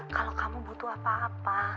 kalau kamu butuh apa apa